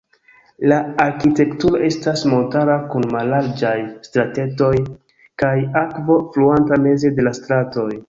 La arkitekturo estas montara kun mallarĝaj stratetoj kaj akvo fluanta meze de la stratoj.